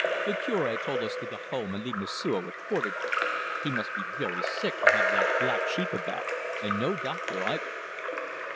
The Cure told us to go home and leave M'sieu' with Portugais. He must be very sick to have that black sheep about him and no doctor either."